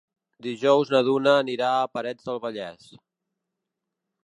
Dijous na Duna anirà a Parets del Vallès.